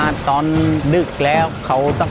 ขอเพียงคุณสามารถที่จะเอ่ยเอื้อนนะครับ